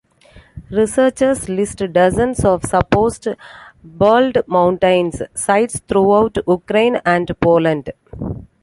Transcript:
Researchers list dozens of supposed "bald mountains" sites throughout Ukraine and Poland.